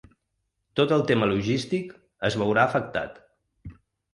Tot el tema logístic es veurà afectat.